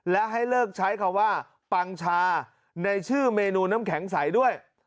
และให้เลิกใช้คำว่าปังชาในชื่อเมนูน้ำแข็งใสด้วย